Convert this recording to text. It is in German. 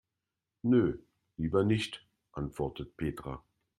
Nö, lieber nicht, antwortet Petra.